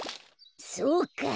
そうか。